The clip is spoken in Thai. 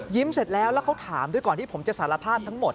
เสร็จแล้วแล้วเขาถามด้วยก่อนที่ผมจะสารภาพทั้งหมด